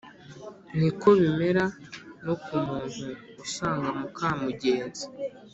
Ni Ko Bimera No Ku Muntu Usanga Muka Mugenzi